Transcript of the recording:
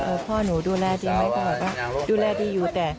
ว่าพ่อหนูดูแลดีไหมบอกว่าดูแลดีอยู่